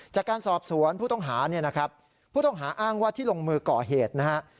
จากการสอบสวนผู้ต้องหาผู้ต้องหาอ้างว่าที่ลงมือก่อเหตุ